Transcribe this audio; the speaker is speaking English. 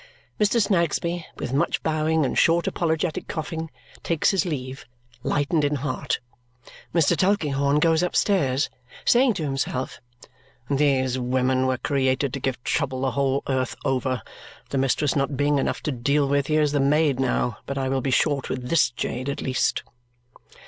Mr. Snagsby, with much bowing and short apologetic coughing, takes his leave, lightened in heart. Mr. Tulkinghorn goes upstairs, saying to himself, "These women were created to give trouble the whole earth over. The mistress not being enough to deal with, here's the maid now! But I will be short with THIS jade at least!"